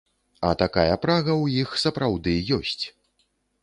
А такая прага ў іх сапраўды ёсць!